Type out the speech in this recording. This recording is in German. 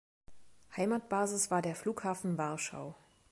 Heimatbasis war der Flughafen Warschau.